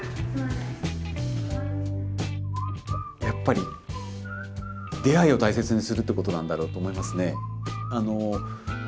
やっぱり出会いを大切にするってことなんだろうと思いますね。